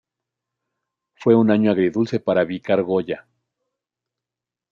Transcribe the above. Fue un año agridulce para Vícar Goya.